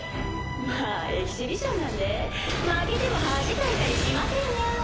まあエキシビションなんで負けても恥かいたりしませんよ。